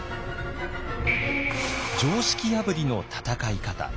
常識破りの戦い方